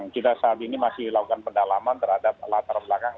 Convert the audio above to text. kita saat ini masih lakukan pendalaman terhadap latar belakang